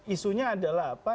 isunya adalah apa